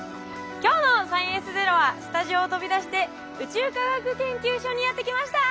今日の「サイエンスＺＥＲＯ」はスタジオを飛び出して宇宙科学研究所にやって来ました！